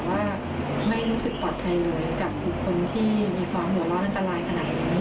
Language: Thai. ว่าไม่รู้สึกปลอดภัยเลยกับบุคคลที่มีความหัวร้อนอันตรายขนาดนี้